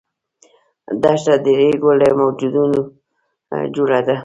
دښته د ریګو له موجونو جوړه ده.